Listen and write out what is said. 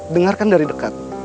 dengarkan dari dekat